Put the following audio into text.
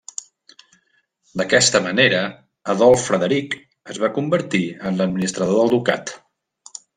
D'aquesta manera, Adolf Frederic es va convertir en l'administrador del ducat.